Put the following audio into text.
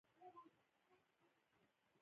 جميلې وويل:: اوه خدایه، لږ په بېړه نه شو تللای؟